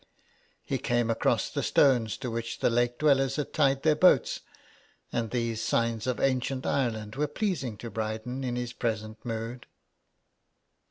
He came across the stones to which the lake dwellers had tied their boats, and these signs of ancient Ireland were pleasing to Bryden in his present mood.